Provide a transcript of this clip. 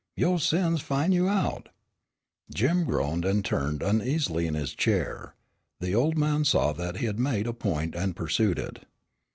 'Yo' sins will fin' you out'" Jim groaned and turned uneasily in his chair. The old man saw that he had made a point and pursued it.